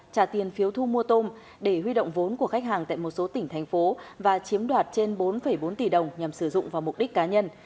trả tiền phiếu thu mua tôm để huy động vốn của khách hàng tại một số tỉnh thành phố và chiếm đoạt trên bốn bốn tỷ đồng nhằm sử dụng vào mục đích cá nhân